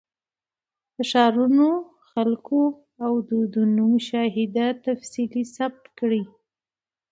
د ښارونو، خلکو او دودونو مشاهده یې تفصیلي ثبت کړې.